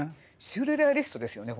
シュールレアリストですよね